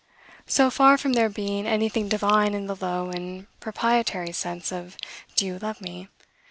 So far from there being anything divine in the low and proprietary sense of, Do you love me?